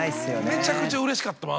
めちゃくちゃうれしかったもん